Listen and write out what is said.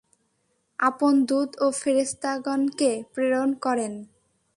আপন দূত ও ফেরেশতাগণকে প্রেরণ করেন।